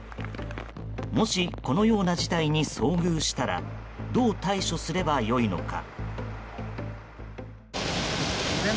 もしこのような事態に遭遇したらどう対処すればよいのか。